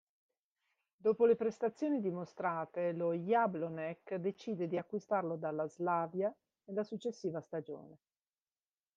Dopo le prestazioni dimostrate lo Jablonec decide di acquistarlo dallo Slavia nella successiva stagione.